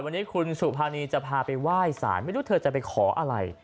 วันนี้คุณสุภานีจะพาไปไหว้สารไม่รู้เธอจะไปขออะไร